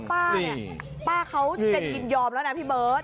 ป้าเขาเจ็ดกินยอมแล้วนะพี่เบิร์ต